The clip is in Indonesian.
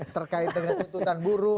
terkait dengan tuntutan buruh